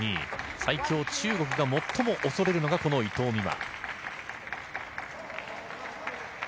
最強・中国が最も恐れるのがこの伊藤美誠。